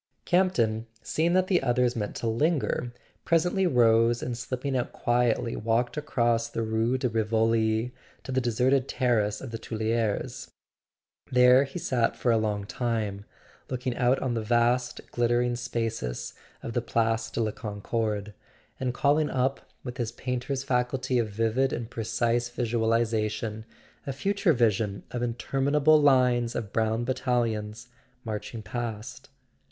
Campton, seeing that the others meant to lin¬ ger, presently rose and slipping out quietly walked across the Rue de Rivoli to the deserted terrace of the Tuileries. There he sat for a long time, looking out on the vast glittering spaces of the Place de la Concorde, and calling up, with his painter's faculty of vivid and precise visualization, a future vision of interminable lines of brown battalions marching past.